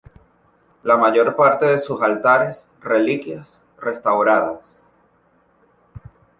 La mayor parte de sus altares, reliquias, restauradas.